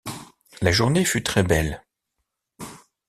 La journée fut très belle.